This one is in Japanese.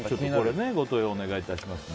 ご投票をお願いいたしますね。